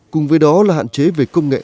cùng với đó là hạn chế của doanh nghiệp nhỏ